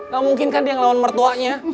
gak mungkin kan dia ngelawan mertuanya